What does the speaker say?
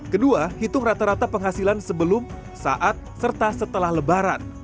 kedua hitung rata rata penghasilan sebelum saat serta setelah lebaran